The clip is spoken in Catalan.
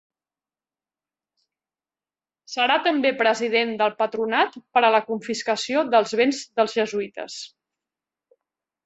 Serà també president del Patronat per a la Confiscació dels béns dels Jesuïtes.